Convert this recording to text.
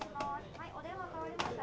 はいお電話代わりました。